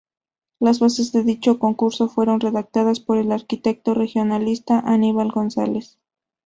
Las bases de dicho concurso fueron redactadas por el arquitecto regionalista Aníbal González.